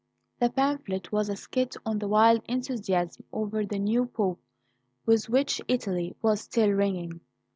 The pamphlet was a skit on the wild enthusiasm over the new Pope with which Italy was still ringing.